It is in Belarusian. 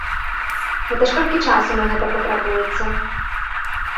Гэта ж колькі часу на гэта патрабуецца?